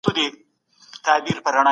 د مال ګټلو په لار کي تقوا خپله کړئ.